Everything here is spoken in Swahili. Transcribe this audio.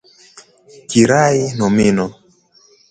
kirai nomino